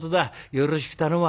よろしく頼むわ」。